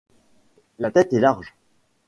La tête est large.